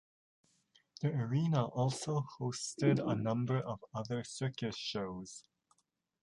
The arena also hosted a number of other circus shows.